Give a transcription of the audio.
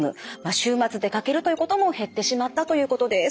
週末出かけるということも減ってしまったということです。